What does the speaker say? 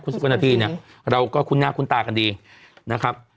สุกนาทีเนี่ยเราก็คุ้นหน้าคุ้นตากันดีนะครับ